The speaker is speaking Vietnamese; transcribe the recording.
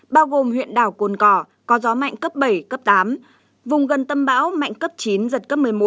bao gồm huyện đảo cồn cỏ có gió mạnh cấp bảy cấp tám vùng gần tâm bão mạnh cấp chín giật cấp một mươi một